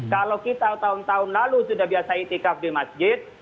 kalau kita tahun tahun lalu sudah biasa itikaf di masjid